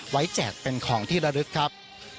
แจกเป็นของที่ระลึกครับ